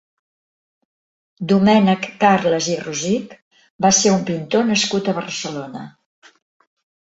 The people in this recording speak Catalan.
Domènec Carles i Rosich va ser un pintor nascut a Barcelona.